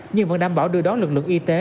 nhưng vẫn đảm bảo đưa đón lực lượng y tế